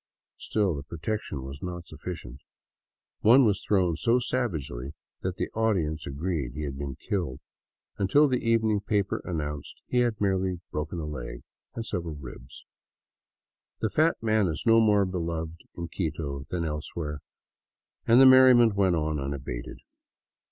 Still the protection was not sufficient. One was thrown so savagely that the audience agreed he had been killed — until the evening paper announced he had merely broken a leg and several ribs. The fat man is no more beloved in Quito than elsewhere, and the merriment went on unabated.